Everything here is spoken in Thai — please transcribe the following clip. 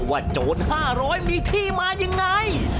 โจร๕๐๐มีที่มายังไง